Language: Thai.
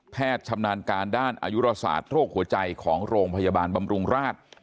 ชำนาญการด้านอายุราศาสตร์โรคหัวใจของโรงพยาบาลบำรุงราช